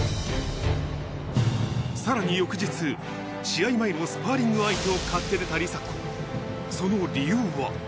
さらに翌日、試合前のスパーリング相手を買って出た梨紗子。